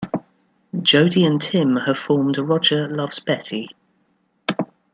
Jodi and Tim have formed "Roger loves Betty".